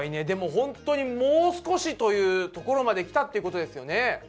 でもほんとにもう少しというところまできたってことですよね。